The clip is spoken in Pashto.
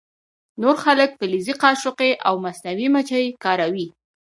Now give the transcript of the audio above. نور خلک فلزي قاشقې او مصنوعي مچۍ کاروي